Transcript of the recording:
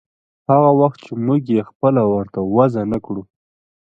هغه وخت چې موږ يې پخپله ورته وضع نه کړو.